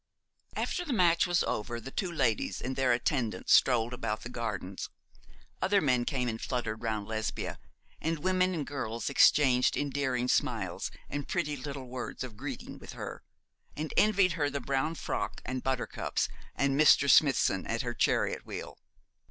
After the match was over the two ladies and their attendant strolled about the gardens. Other men came and fluttered round Lesbia, and women and girls exchanged endearing smiles and pretty little words of greeting with her, and envied her the brown frock and buttercups and Mr. Smithson at her chariot wheel.